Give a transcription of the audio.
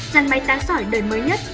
rằng máy tán sỏi đời mới nhất